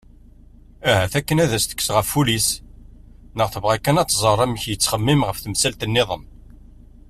Ahat akken ad as-tekkes ɣef wul-is neɣ tebɣa kan ad tẓer amek yettxemmim ɣef temsal-nniḍen.